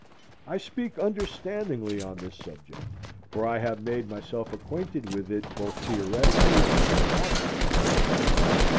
I speak understandingly on this subject, for I have made myself acquainted with it both theoretically and practically.